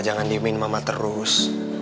jangan diemin mama terus